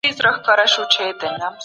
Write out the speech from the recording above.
دا نظریات به د نورو علماؤ پوهه زیاته کړي.